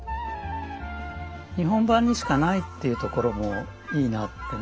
日本版にしかないっていうところもいいなってね